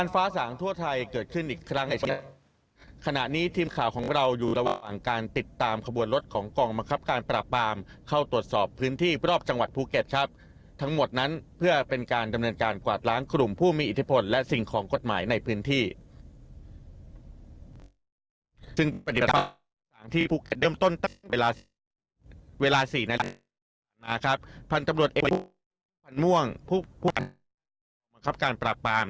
พี่ม่วงผู้บรรยากาศกรรมครับการปราบปราม